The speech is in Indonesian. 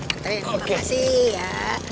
enterin terima kasih ya